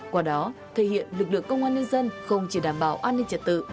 qua đó thể hiện lực lượng công an nhân dân không chỉ đảm bảo an ninh trật tự